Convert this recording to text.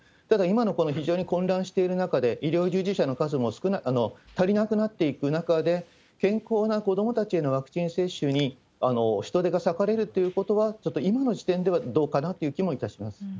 ただ、今のこの非常に混乱している中で、医療従事者の数も足りなくなっていく中で、健康な子どもたちへのワクチン接種に人手が割かれるということは、ちょっと今の時点ではどうかなという気もいたします。